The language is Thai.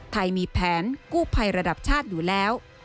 ไทยมีแผนกู้ภัยระดับชาติอยู่แล้ว